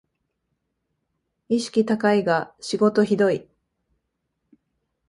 意識高いが仕事ひどい